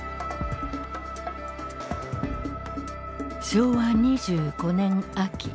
昭和２５年秋。